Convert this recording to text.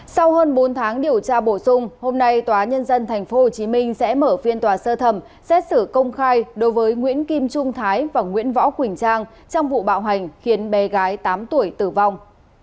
sau hơn bốn tháng điều tra bổ sung hôm nay tòa nhân dân tp hcm sẽ mở phiên tòa sơ thẩm xét xử công khai đối với nguyễn kim trung thái và nguyễn võ quỳnh trang trong vụ bạo hành khiến bé gái tám tuổi tử vong